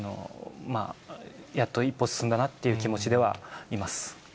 やっと一歩進んだなっていう気持ちではいます。